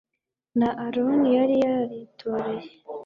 na aroni yari yaritoreye